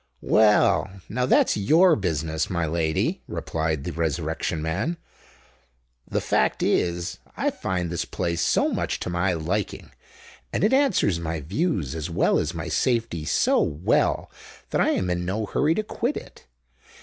"Well—now that's your business, my lady," replied the Resurrection Man. "The fact is, I find this place so much to my liking, and it answers my views as well as my safety so well, that I am in no hurry to quit it.